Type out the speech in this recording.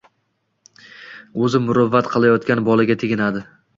o‘zi murajaat qilayotgan bolaga teginadi.